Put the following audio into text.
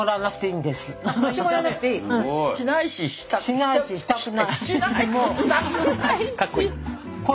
しないししたくない。